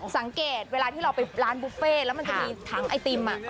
เวลาที่เราไปร้านบุฟเฟ่แล้วมันจะมีถังไอติม